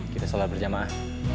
kita sholat berjamaah